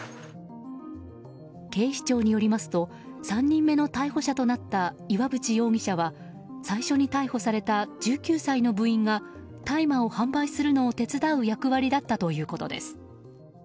警視庁によりますと３人目の逮捕者となった岩渕容疑者は最初に逮捕された１９歳の部員が大麻を販売するのを手伝う役割だったということです。